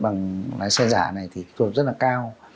bằng lái xe giả này thì thuộc rất là cao